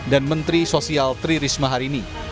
dan menteri sosial tri risma harini